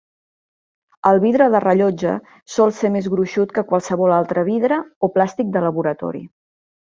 El vidre de rellotge sol ser més gruixut que qualsevol altre vidre o plàstic de laboratori.